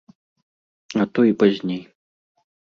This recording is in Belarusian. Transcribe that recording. А то і пазней.